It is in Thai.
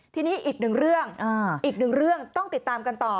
ที่นี่อีกหนึ่งเรื่องต้องติดตามกันต่อ